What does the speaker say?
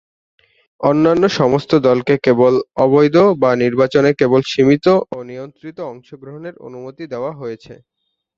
অন্যান্য সমস্ত দলকে কেবল অবৈধ বা নির্বাচনে কেবল সীমিত ও নিয়ন্ত্রিত অংশগ্রহণের অনুমতি দেওয়া হয়েছে।